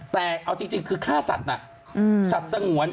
แต่เอาจริงคือฆ่าสัตว์สัตว์สงวน